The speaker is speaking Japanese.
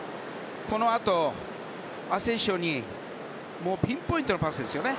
このあと、アセンシオにピンポイントのパスですよね。